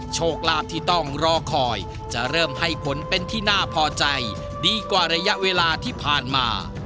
โชคลาภที่ต้องรอคอยจะเริ่มให้ผลเป็นที่น่าพอใจดีกว่าระยะเวลาที่ผ่านมา